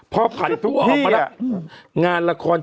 ขออีกทีอ่านอีกที